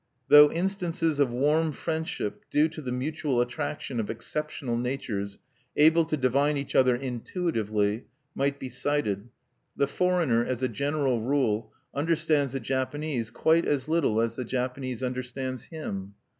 Though instances of warm friendship, due to the mutual attraction of exceptional natures able to divine each other intuitively, might be cited, the foreigner, as a general rule, understands the Japanese quite as little as the Japanese understands him.